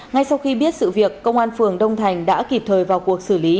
ngay sau khi biết sự việc công an phường đông thành đã kịp thời vào cuộc xử lý